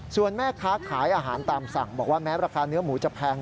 ส่วนแม่ค้าขายอาหารตามสั่งบอกว่าแม้ราคาเนื้อหมูจะแพง